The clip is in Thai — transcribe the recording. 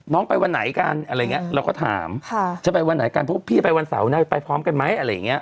น้องไปวันไหนกันเราก็ถามจะไปวันไหนกันเพราะว่าพี่ไปวันเสาร์นายไปพร้อมกันไหม